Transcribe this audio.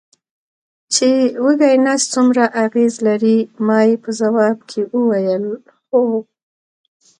چې وږی نس څومره اغېز لري، ما یې په ځواب کې وویل: هو.